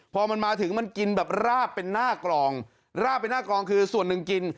พอมันมาถึงมันกินแบบราบเป็นหน้ากลองราบเป็นหน้ากลองคือส่วนหนึ่งกิน